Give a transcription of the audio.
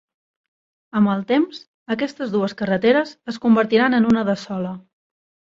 Amb el temps, aquestes dues carreteres es convertiran en una de sola.